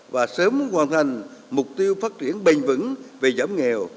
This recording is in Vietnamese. và sớm hoàn thành mục tiêu phát triển bền vững về giảm nghèo